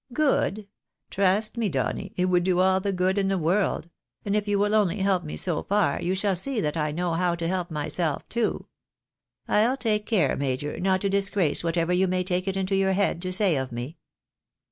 " Good? Trust me, Donny, it would do all the good in the world ; and if you will only help me so far, you shall see that I know how to help myself too. I'll take care, major, not to disgrace whatever you may take it into your head to say of me."